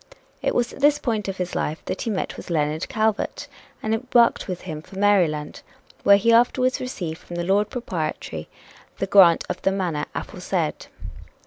It was at this point of his life that he met with Leonard Calvert, and embarked with him for Maryland, where he afterwards received from the Lord Proprietary the grant of the manor "aforesaid."